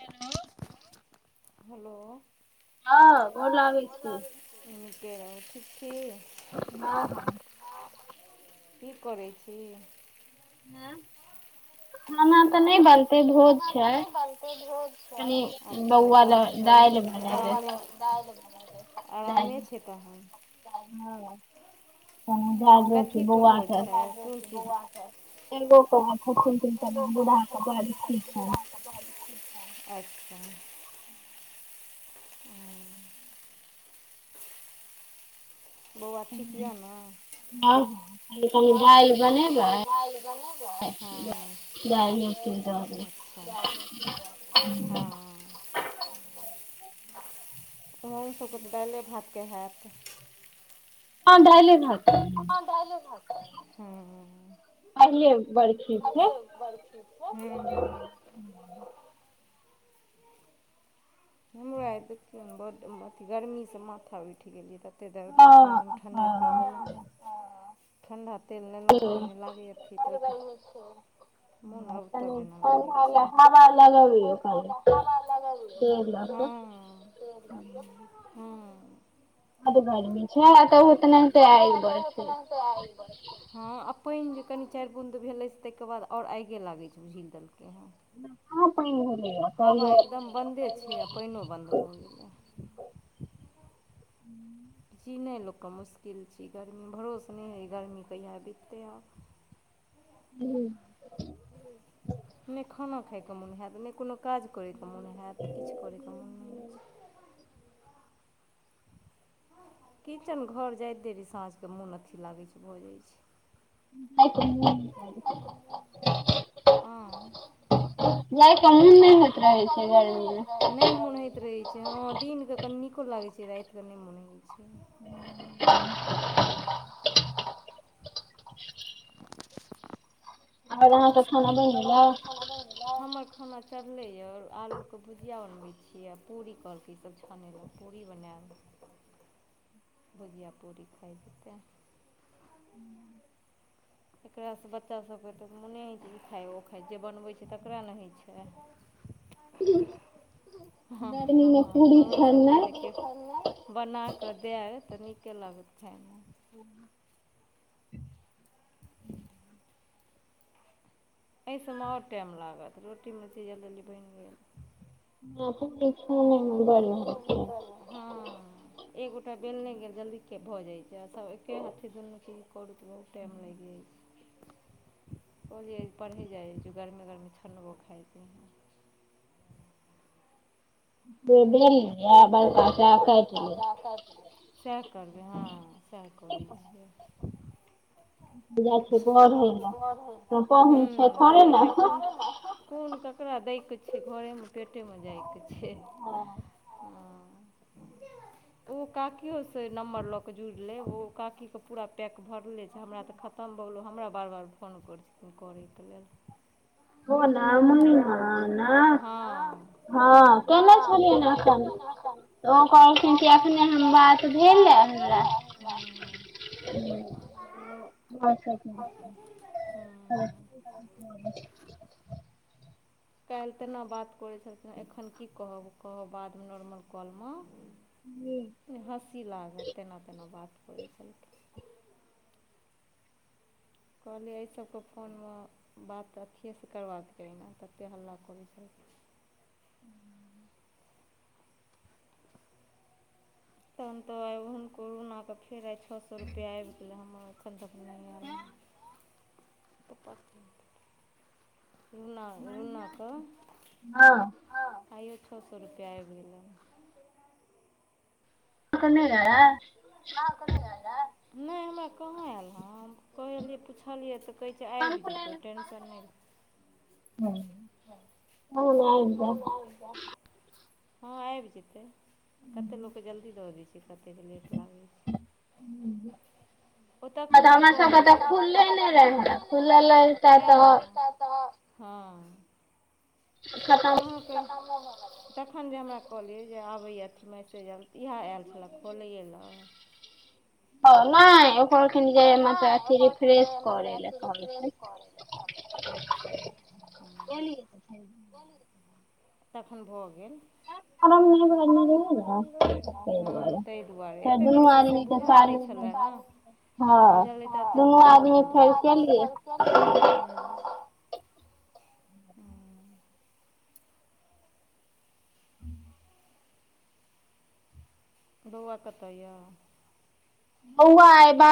hello hello हँ गोर लागे छियै नीके रहु ठीक छी आ ह की करै छी हं खाना तऽ नहि बनत खाना तऽ नहि बनतै भोज छै आय अच्छा तहन त बढ़िया छै दाल भात आरामे छै तखन हँ त जाज छी बहुआ छै छै खु बु [unintelligible] अच्छा हु बौआ ठीक यऽ ना ह [inaudible] आब कनी दाइल बनेब हँ मसभके तऽ दालिए भातके हैत हँ दाइले भात के हम दाइले भात खेबे हं अभ बड़ हमरा आ देखियौ बड्ड अथी गर्मीसँ माथा उठि गेलै तख कतेक दऽ साँझमे ठण्डा तेल लेलहुँ ठण्डा तेल लेलहुँ तऽ कनि लागैए बड गरमी छै [unintelligible] मोन अब तब जेना लागै छै कनी ठंढ़ा में हावा लगबितिऐ ह हूँ [unintelligible] अ बड गरमी छै त ओ तेनहिते आइग बरसय तऽ आइगक बरसै हँ अ पनि जे कनि चारि बुंद भेलै से ताहिके बाद आओर आइगे लागैत छै उझिल देलकै हॅ पइन भेलय या हबा एकदम बन्दे छै पाइन बन्द भ गैलै [inaudible] तिल छी गरमी भरोसे नहि होइ गरमी कहिया बिततै आब ह्म नहि खाना खायके मोन होयैत नहि कोनो काज करैके मोन होयैत किछु करैके मोन नहि अछि किचन घर जाइत देरी साँझके मोन अथी लागै छै भऽ जाइ छै [inaudible] लाय के मन नहि होइत रहै छै गर्मी मे रहै छै हँ दिनके कनि नीको लागैत छै राातिकेऽ नहि मोन होइत छै [inaudible] आब अहाँके खान हमर खाना चढ़लैए आर आलूके भुजिया बनबै छै कीये पूड़ी कहलकय ईसब छानेलहु पूड़ी बनाएब भुजिया पूड़ी खा जेतै एकरासँ बच्चा सभकेँ तऽ मोने होइ छै जे खाइ ओ खाइ जे बनबै छै तकरा ने होइ छै ह [unintelligible] ह हँ हं हमरो सबके जे केक बनाकऽ देए तऽ नीके लगैत खाए मे ह ह [inaudible] एहि सभमे आओर टाइम लागत रोटीमे चीज जल्दी जल्दी बनि गेल [unintelligible] एक गोटा बेल नहि गेल जल्दी भऽ जाइत छै आ सभ एक हाथी दुनू ची ई करू तऽ बहुत टाइम लागि जाइ छै [inaudible] बोलिय पढ़ी जाइ जे गर्मी गरमी छनबो खाइय जहिए बेबेल प्र बम य बरक चातै सएह करबै हँ सएह करै छियै ह कोन ककरा दैके छै घरेमे पेटेमे जाइके छै ह [unintelligible] तऽ ओ काकियोसँ नम्बर लऽ कऽ जुड़ि ले ओ काकीके पूरा पैक भरलै जे हमरा तऽ खत तऽ हम बोलूँ हमरा बेार बार फोन कर छथिन करैके लेल ओ ने मम्मी ह ने हँ केने छलिय ओ कहलखिन कि एखने हम बात भेलै हमर ह ह काल्हि तेना बात करै छलखन एखन की कहब कहब बादमे नॉर्मल कॉलम ह हँसी लागत तेना तेना बात करै छलखि कहलियै एहि सभके फोनमे बात अथिेसँ करबाका दकै ने तते हल्ला करै छ तहन तऽ आइ ओहन कोरोनाके फेर आइ छओ सए रुपैआ आबि गेलै हमर एखन तक नहि आयलै ह त रुना रुनाे आइयो छओ सओ रुपैआ आबि गेल कोन नहि हमरा कहाँ एयल हँ हम कहलियै पुछलियै तऽ कह आबि जेतौ टेन्शन नह ह ह ह हँ आबि जेतै कते लोकके जल्दी दऽ दै छ से कतेक लेट लागै छ ह ओ तखन जे कहलिय खुले नहि र ह से अहाँक खन जे हमरा कहलियै जे आबैए मैसेज आयल तऽ इएह आयल छलै खोलैल नहि ओ ख जे म रफ्रेश क अच्छा त फ तखन भऽ गे ह ताहि दुआरे एतेक दिनसँ से बुझा नहिछै बुझल त भ गे ह बौआ कतऽ य ओ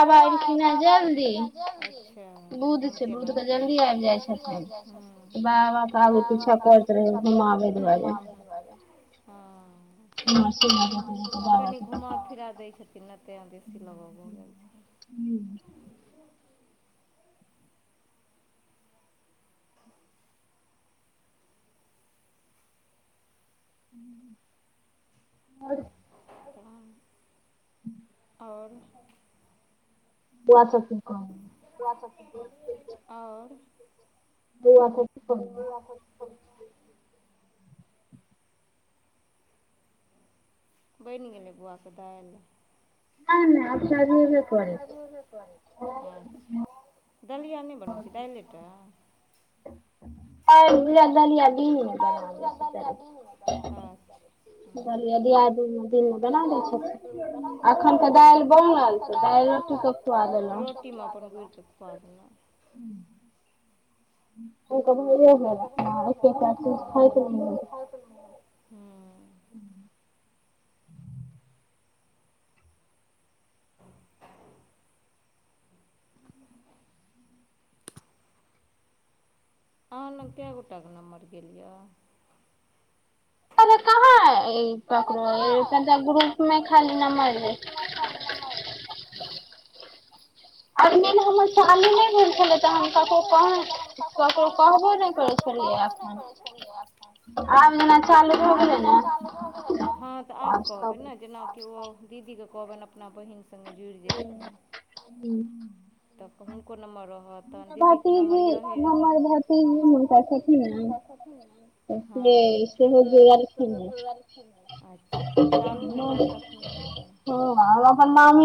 हौआ बाबा एलखिन हे जल्दी बु के जल्दी आब जाय ह ब ब त पूछ कर र ह कनि घुमा फिरा दै छथिन नहि ते बेसी लगग भ गेल छै हूँ ह आ ह ह् ओर पआ स क सब ओर ओ ओ अखस बनि गेलै बौआके दाल नहि नहि अच्छ आ नहि अबसाद हो आत अच्छा दलिया नहि बनबै छै दाललेट आ याद न या अच्छा बना दै छै एखन तऽ दालि बनल त रोटी मे अपन बाप रे बाप ओ [unintelligible] हूं [inaudible] अहाँ लग कए गोटाके नम्बर गेल यए कहाँ है ककरो क ग्रुप में खाली नम्बर खाली नंबर हय आ हमर चालू नहि भेल छलै तऽ हम ककरो ककरो कहबो नहि करै छलियै एखन ह च हँ तऽ आब कहबै ने जेनाकि ओ दीदी के कहबनि अपना बहिन ह तऽ हुनको नम्बरो ओ तन दीदी के नम्बर य हनका हँ अच्छा चालू हेतै तखने ह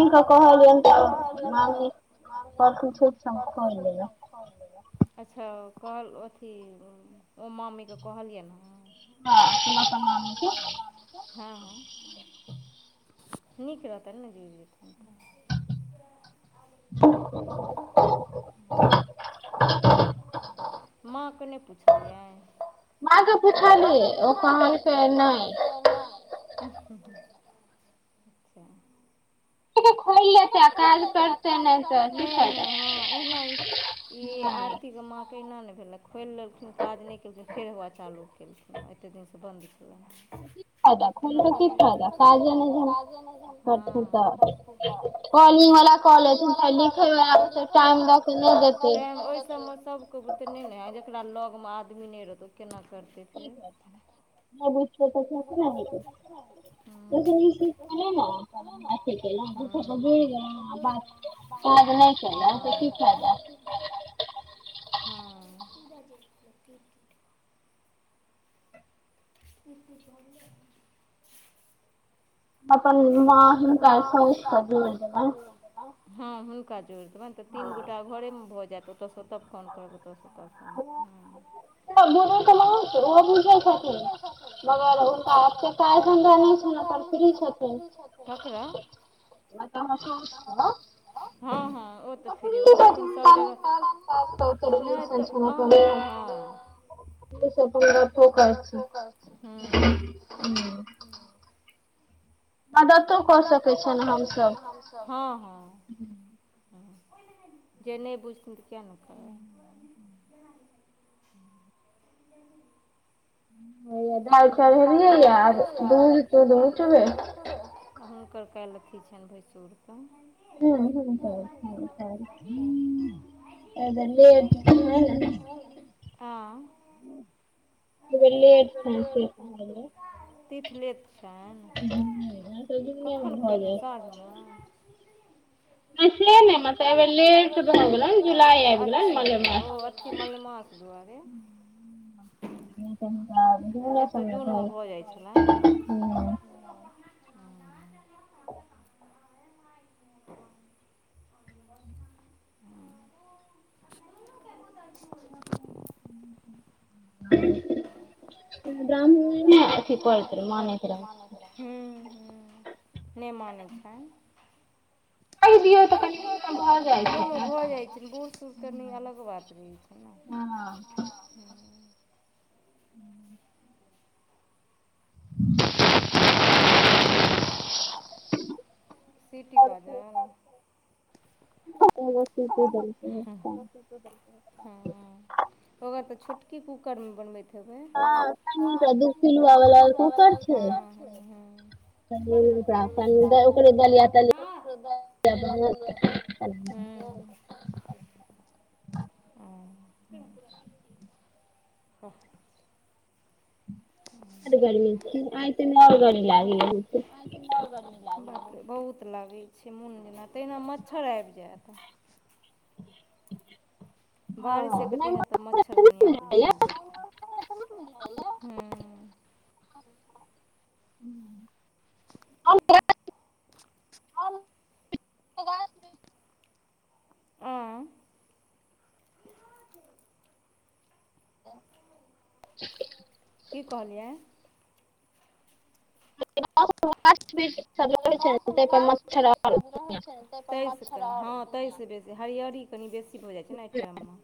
आ मामी क कहल त आओर किछु शखइल ने अच्छा कहल अथी ओ मामी ज कहलियै ने हँ हँ नीक रहतनि ने जुड़ि जेथिन तऽ माँ केने पूछ आ पुछली ओ कहल नहि क क खु त काज करतै नहि तऽ फायदा पथीके माँ एना नहि भेलै खोलि लेल खिन काज नहि कयेलखिन फेर हौआ चालू कयेलखिन हँ एतेक दिनसँ बन्द कयलनि ह कॉलिंग वाला क ले छै ओहि सब मे सब के भ जाय छै तऽ नहि ने जेकरा लग मे आदमी नहि रहतौ ओ केना करतै ठ कह छै न बूझ तसत जस हस ने ब ब काज नहि क त की ख हू अपन [unintelligible] हँ हुनका जोड़ि देबनि तऽ तीन गोटा घरेमे भऽ जायत तऽ ओतऽ फोन करबै तस ओतऽ फन कर गू बुझै छथिन मगर हुनकाता ए झंडा नहि छनि ओ फ्री छथिन ककरा ओ तऽ हमस हँ हँ ओ ऽ फिर ओ तऽ अपन सब जगह नहि तऽ अ हँ [unintelligible] [unintelligible] ह मदतो कऽ सकैत छनि हमसभ हँ हँ हँ जे नहि बुझथिन तऽ किएक नहि करबै हं पाल स अ दूधत दू हुनकर काल्हि अथी छनि भैंसूर त ह ह आ हलियान तथ लेत छनि कखन खुत साँझम अ नहि म व ब मलेमास दुआर नहि तऽ जूनमे भऽ जाइतलय ह ह आ ब्रम ह ह नहि मानैत छन कहि दियौ तऽ कनि भऽ जाइ छै न ह हू सिटी बाज ल ह ओगर तऽ छोटकी कुकरमे बनबै [inaudible] ख ओ ह गर्मी छी आइ ते आओर गड़ी लागै बहुत लागै छै मोन जेना तहिना मच्छर आबि जाय बारिशसँ कत हत तऽ मच्छर दुनिआँके झील आ ह ह [inaudible] की कहलिय आर पशन गाछ भी त तहिसऽ हँ ताहिसँ बेसी हरियरी कनि बेसी भऽ जाइ छै ने एहि टाइम मे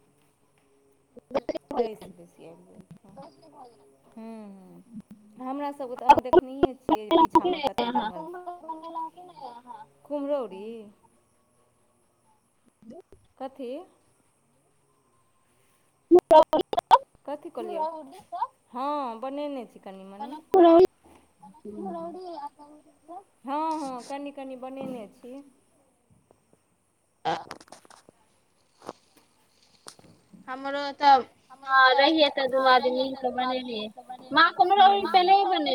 तैस बेसी [unintelligible] हमरा सबके तऽ अहाँ देखने छियै पीछामे कते ङगल कुमरौरी कथ ह कथी क लेब हँ बनेने छी कनि मन कुम्हरौरी आ हँ हँ कनि कनि बनेने छ ह हमर त हँ रहिये तऽ दुनू आदमी मिल के बनेलिए माँ कुम्हरौरी पेहले‌ ही बन